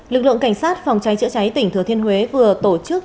lực lượng cảnh sát phòng cháy chữa cháy tỉnh thừa thiên huế vừa tổ chức